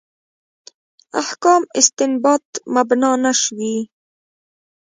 احکام استنباط مبنا نه شوي.